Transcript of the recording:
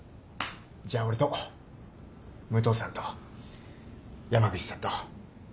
じゃあ俺と武藤さんと山口さんと加賀谷さん。